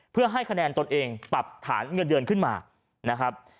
เพื่อให้คะแนนตนเองปรับฐานเงินเดือนขึ้นมานะครับ